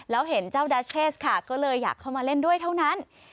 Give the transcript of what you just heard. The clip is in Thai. แล้วเห็นเจ้าดัชเชสค่ะก็เลยอยากเข้ามาเล่นด้วยเท่านั้น